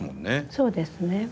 そうですね。